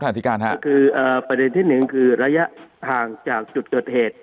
ฐานพิการครับก็คือประเด็นที่หนึ่งคือระยะห่างจากจุดจดเหตุ